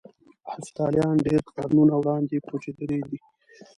هفتالیان ډېر قرنونه وړاندې کوچېدلي دي.